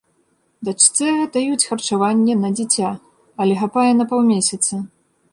Дачцэ даюць харчаванне на дзіця, але хапае на паўмесяца.